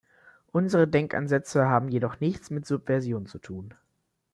Unsere Denkansätze haben jedoch nichts mit Subversion zu tun.